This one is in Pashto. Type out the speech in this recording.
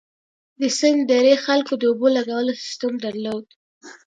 د سند درې خلکو د اوبو لګولو سیستم درلود.